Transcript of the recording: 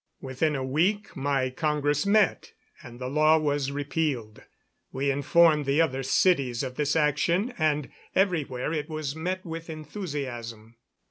Within a week my congress met, and the law was repealed. We informed the other cities of this action, and everywhere it was met with enthusiasm.